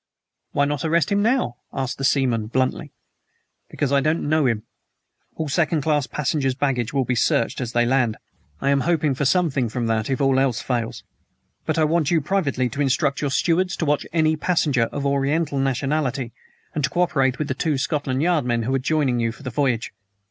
"Why not arrest him now?" asked the seaman bluntly. "Because I don't know him. All second class passengers' baggage will be searched as they land. I am hoping something from that, if all else fails. But I want you privately to instruct your stewards to watch any passenger of Oriental nationality, and to cooperate with the two Scotland Yard men who are joining you for the voyage.